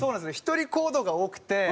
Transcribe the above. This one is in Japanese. １人行動が多くて。